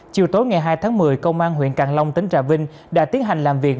chiều tối ngày hai tháng một mươi công an huyện càng long tỉnh trà vinh đã tiến hành làm việc